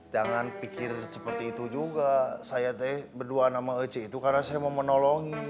jangan pikir seperti itu juga saya berdua nama eci itu karena saya mau menolongi